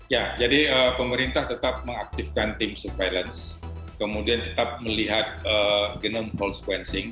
ya jadi pemerintah tetap mengaktifkan tim surveillance kemudian tetap melihat genome sequencing